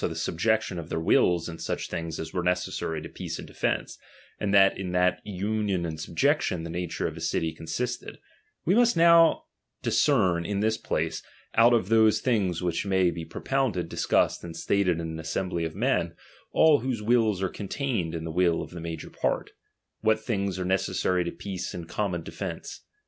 the subjection of their wills iu such things as were necessary to peace and defence ; and that in that union and subjection the nature of a city consisted ; we must discern now iu this place, out of those things which may be propounded, discussed, and stated in an assembly of men, all whose wills are contained iu the will of the major part, what things are necessary to peace and common de fence.